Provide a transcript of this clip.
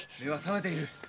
余は覚めている。